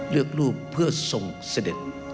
เลือกรูปเพื่อส่งเสด็จ